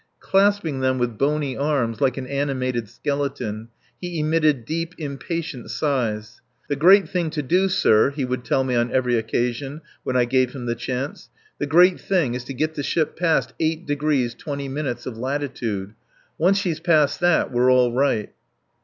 Clasping them with bony arms, like an animated skeleton, he emitted deep, impatient sighs. "The great thing to do, sir," he would tell me on every occasion, when I gave him the chance, "the great thing is to get the ship past 8 d 20' of latitude. Once she's past that we're all right."